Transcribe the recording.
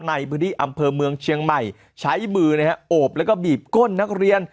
ในพื้นที่อำเภอเมืองเชียงใหม่ใช้มือโอบแล้วก็บีบก้นนักเรียน